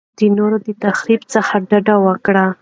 د نورو د تخریب څخه ډډه وکړئ.